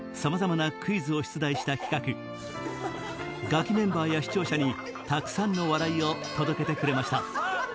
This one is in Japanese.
ガキメンバーや視聴者にたくさんの笑いを届けてくれました